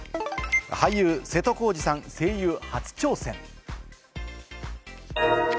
俳優・瀬戸康史さん、声優初挑戦。